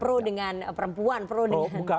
pro dengan perempuan pro dengan